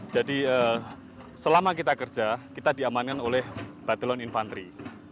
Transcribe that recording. jadi selama kita kerja kita diamankan oleh batelon infanteri